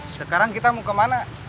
sekarang kita mau kemana